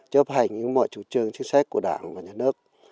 chấp hành những mọi chủ trương chính sách của đảng và nhà nước